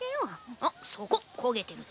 あっそこ焦げてるぞ。